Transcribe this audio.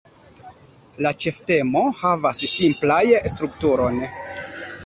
La ĉeftemo havas simplaj strukturon.